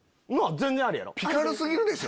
全然ありやろ？